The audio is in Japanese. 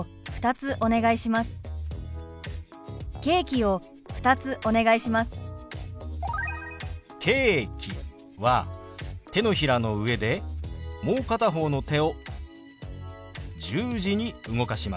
「ケーキ」は手のひらの上でもう片方の手を十字に動かします。